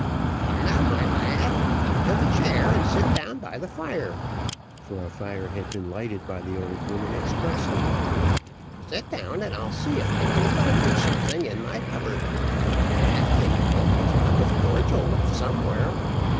"Come now, my lad, come to the chair, and sit down by the fire," for a fire had been lighted by the old woman expressly, "sit down, and I'll see if I can find you something in my cupboard; I have, I know, a drop of cordial left somewhere.